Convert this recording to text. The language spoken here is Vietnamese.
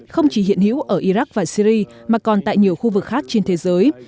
không chỉ hiện hữu ở iraq và syri mà còn tại nhiều khu vực khác trên thế giới